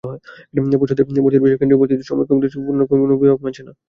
পোষ্যদের ভর্তির বিষয়ে কেন্দ্রীয় ভর্তি কমিটির সিদ্ধান্ত কোনো কোনো বিভাগ মানছে না।